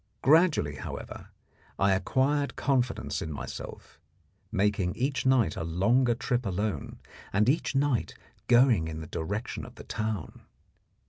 Gradually, however, I acquired confidence in myself, making each night a longer trip alone, and each night going in the direction of the town.